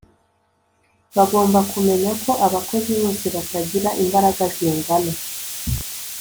bagomba kumenya ko abakozi bose batagira imbaraga zingana.